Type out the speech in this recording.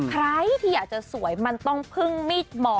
ใครที่อยากจะสวยมันต้องพึ่งมีดหมอ